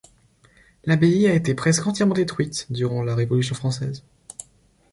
L'abbaye a été presque entièrement détruite durant la Révolution française.